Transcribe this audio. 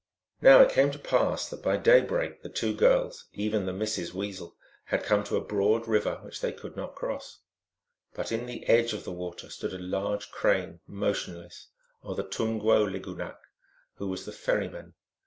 Now it came to pass that by daybreak the two girls, 152 THE ALGONQUIN LEGENDS. even the Misses Weasel, had come to a broad river which they could not cross. But in the edge of the water stood a large Crane, motionless, or the Tum gwo lig unach, who was the ferryman.